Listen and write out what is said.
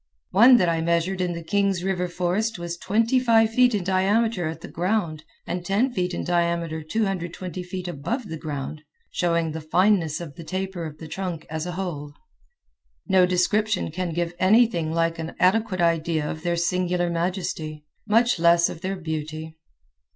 One that I measured in the Kings River forest was twenty five feet in diameter at the ground and ten feet in diameter 220 feet above the ground showing the fineness of the taper of the trunk as a whole. No description can give anything like an adequate idea of their singular majesty, much less of their beauty.